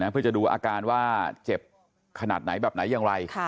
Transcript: เพื่อจะดูอาการว่าเจ็บขนาดไหนแบบไหนอย่างไร